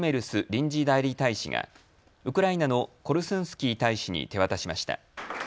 臨時代理大使がウクライナのコルスンスキー大使に手渡しました。